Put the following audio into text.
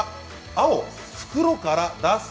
青袋から出す。